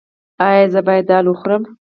ایا زه باید دال وخورم؟